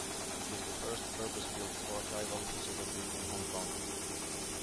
It is the first purpose-built archival facility in Hong Kong.